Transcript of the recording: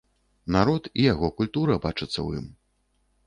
Народ і яго культура бачацца ў ім.